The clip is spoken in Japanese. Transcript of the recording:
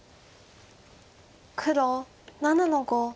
黒７の五。